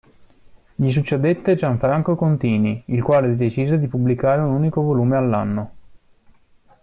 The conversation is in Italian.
Gli succedette Gianfranco Contini, il quale decise di pubblicare un unico volume all'anno.